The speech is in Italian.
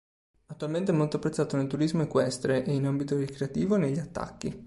Attualmente è molto apprezzato nel turismo equestre e, in ambito ricreativo, negli attacchi.